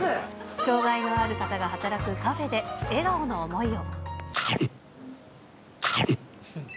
障がいのある方が働くカフェで、笑顔の想いを。